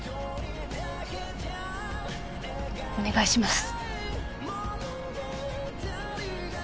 お願いします。